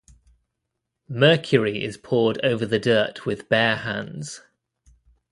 Mercury is poured over the dirt with bare hands.